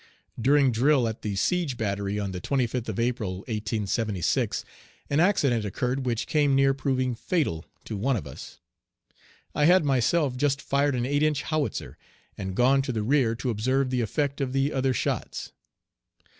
During drill at the siege battery on the 25th of April, 1876, an accident occurred which came near proving fatal to one of us. I had myself just fired an 8 inch howitzer, and gone to the rear to observe the effect of the other shots.